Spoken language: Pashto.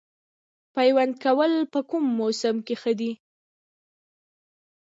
پیوند کول په کوم موسم کې ښه دي؟